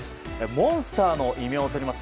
モンスターの異名をとります